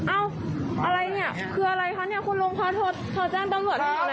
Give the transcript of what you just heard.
อ้าวอะไรเนี้ยคืออะไรคะเนี้ยคุณลงพาโทษโทษแจ้งตำรวจให้ดูแล้วนะครับ